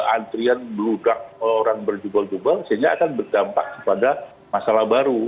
antrian beludak orang berjubol jubol sehingga akan berdampak pada masalah baru